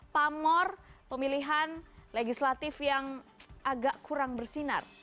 pamor pemilihan legislatif yang agak kurang bersinar